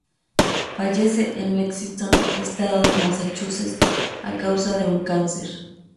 Fallece en Lexington, estado de Massachusetts, a causa de un cáncer.